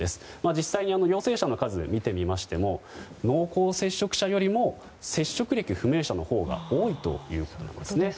実際に陽性者の数を見てみましても濃厚接触者よりも接触歴不明者のほうが多いということなんですね。